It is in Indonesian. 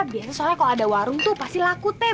biasanya soalnya kalau ada warung tuh pasti laku teh